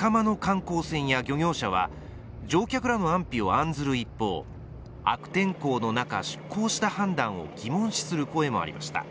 仲間の観光船や漁業船は乗客らの安否を案ずる一方、悪天候の中、出港した判断を疑問視する声もありました。